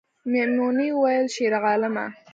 میمونۍ وویل شیرعالمه